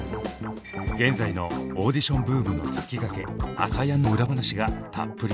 現在のオーディションブームの先駆け「ＡＳＡＹＡＮ」の裏話がたっぷり！